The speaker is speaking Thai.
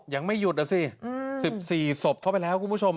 ยังไม่หยุดนะสิ๑๔ศพเข้าไปแล้วคุณผู้ชม